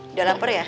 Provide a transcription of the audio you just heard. udah lapar ya